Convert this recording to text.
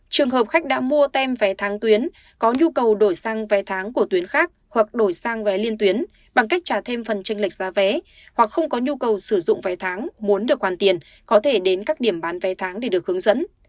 trường hợp khách đã mua tem vé tháng tuyến có nhu cầu đổi sang vé tháng của tuyến khác hoặc đổi sang vé liên tuyến bằng cách trả thêm phần tranh lệch giá vé hoặc không có nhu cầu sử dụng vé tháng muốn được hoàn tiền có thể đến các điểm bán vé tháng để được hướng dẫn